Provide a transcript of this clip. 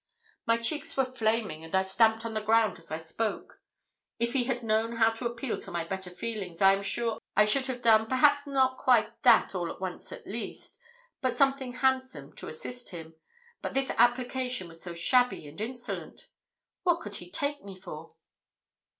My cheeks were flaming, and I stamped on the ground as I spoke. If he had known how to appeal to my better feelings, I am sure I should have done, perhaps not quite that, all at once at least, but something handsome, to assist him. But this application was so shabby and insolent! What could he take me for?